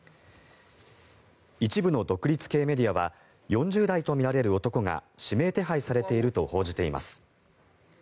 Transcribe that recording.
一部の独立系メディアは４０代とみられる男が指名手配されていると報じています。